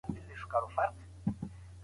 مشران وايي چې کبر له زوال دى